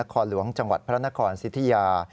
อำเภอนครหลวงจังหวัดพลานครซิธยา